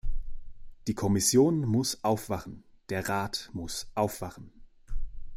Die Kommission muss aufwachen, der Rat muss aufwachen.